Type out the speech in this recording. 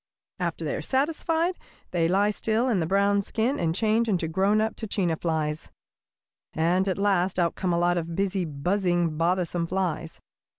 After they are satisfied they lie still in their brown skins and change into grown up tachina flies, and at last out come a lot of busy, buzzing, bothersome flies.